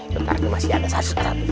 bentar masih ada satu satu